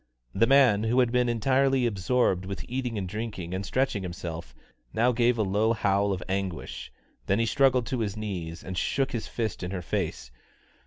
The man, who had been entirely absorbed with eating and drinking and stretching himself, now gave a low howl of anguish; then he struggled to his knees and shook his fist in her face.